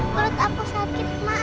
belut aku sakit ma